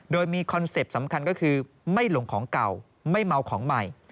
โดยมีคอนเซ็ปต์สำคัญก็คือไม่หลงของเก่าไม่เมาของใหม่